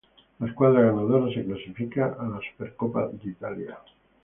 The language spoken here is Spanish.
La escuadra ganadora se clasifica a la Supercopa de Italia.